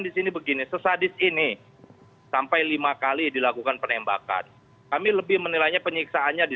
disini begini sesadis ini sampai lima kali dilakukan penembakan kami lebih menilainya penyiksaannya di